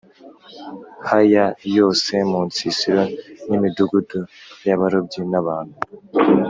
ha ya yose mu nsisiro n imidugudu y abarobyi n abantu